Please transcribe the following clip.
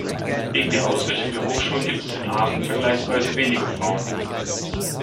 Wegen der Ausrichtung der Hochschulen gibt es in Aachen vergleichsweise wenige Frauen.